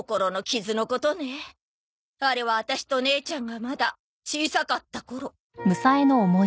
あれはワタシと姉ちゃんがまだ小さかった頃。